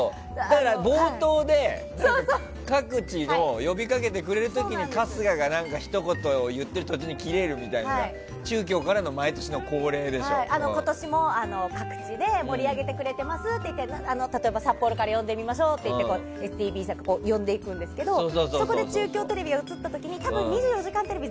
冒頭で各地に呼び掛けてくれる時に春日がひと言言っていた時に切れるみたいな、中京からの今年も各地で盛り上げてくれてますって言って札幌から呼んでみましょうってＳＴＢさんが呼んでいくんですけどそこで中京テレビさんが映った時多分「２４時間テレビ」